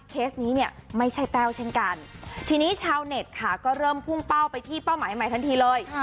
เคสนี้เนี่ยไม่ใช่แต้วเช่นกันทีนี้ชาวเน็ตค่ะก็เริ่มพุ่งเป้าไปที่เป้าหมายใหม่ทันทีเลย